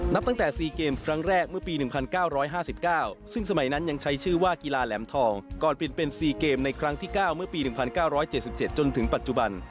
ตั้งแต่๔เกมส์ครั้งแรกเมื่อปี๑๙๕๙ซึ่งสมัยนั้นยังใช้ชื่อว่ากีฬาแหลมทองก่อนเปลี่ยนเป็น๔เกมในครั้งที่๙เมื่อปี๑๙๗๗จนถึงปัจจุบัน